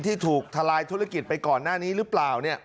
ที่ถูกทลายธุรกิจไปก่อนหน้านี้หรือเปล่า